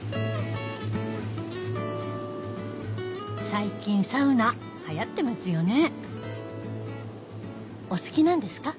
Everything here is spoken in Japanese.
最近サウナはやってますよね。